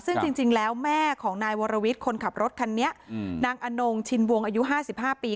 ซึ่งจริงแล้วแม่ของนายวรวิทย์คนขับรถคันนี้นางอนงชินวงอายุ๕๕ปี